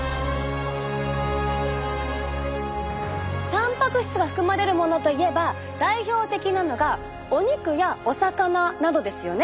たんぱく質が含まれるものといえば代表的なのがお肉やお魚などですよね。